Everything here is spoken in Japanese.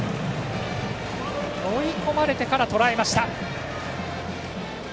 追い込まれてからとらえました！